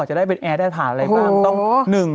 เจเรงเจเรง